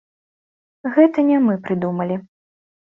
Гэта не мы прыдумалі.